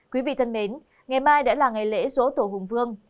quý vị thân mến ngày mai đã là ngày lễ dỗ tổ hùng vương